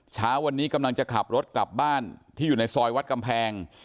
เช้าวันนี้กำลังจะขับรถกลับบ้านที่อยู่ในซอยวัดกำแพง